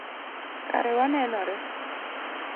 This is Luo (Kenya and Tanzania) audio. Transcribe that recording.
Kare wanenore